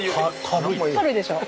軽いでしょ？